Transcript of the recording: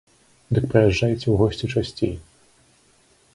Дык прыязджайце ў госці часцей!